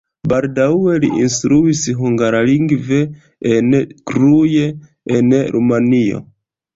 Baldaŭe li instruis hungarlingve en Cluj, en Rumanio.